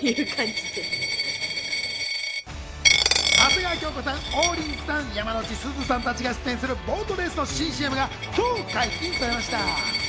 長谷川京子さん、王林さん、山之内すずさんたちが出演するボートレースの新ＣＭが今日、解禁されました。